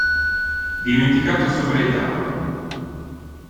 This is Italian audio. Dimenticato sopra il tavolo.